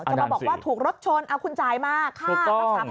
มาบอกว่าถูกรถชนอ่ายคุณจ้ายมารักษาพยาบาลข้าบาดเจ็บกระจำกวัน